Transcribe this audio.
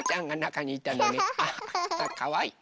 かわいい。